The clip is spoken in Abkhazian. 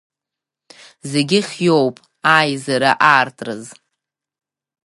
Зегьы хиоуп аизара аартраз.